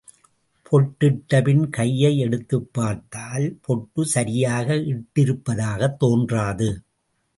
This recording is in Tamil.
பொட்டிட்ட பின் கையை எடுத்துப் பார்த்தால், பொட்டு சரியாய் இட்டிருப்பதாகத் தோன்றாது.